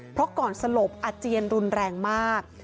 เพราะก่อนสลบอาเจียนรุนแรงมาก